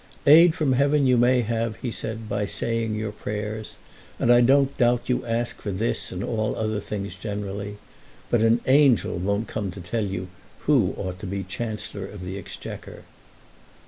"Aid from heaven you may have," he said, "by saying your prayers; and I don't doubt you ask it for this and all other things generally. But an angel won't come to tell you who ought to be Chancellor of the Exchequer."